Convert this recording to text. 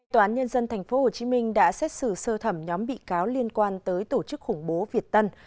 tòa án nhân dân tp hcm đã xét xử sơ thẩm nhóm bị cáo liên quan tới tổ chức khủng bố việt tân